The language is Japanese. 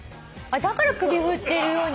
だから首振ってるように。